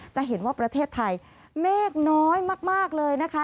จะเห็นว่าประเทศไทยเมฆน้อยมากเลยนะคะ